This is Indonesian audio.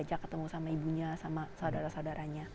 diajak ketemu sama ibunya sama saudara saudaranya